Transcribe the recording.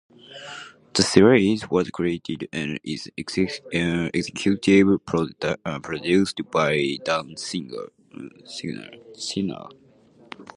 The series was created and is executive produced by Dan Signer.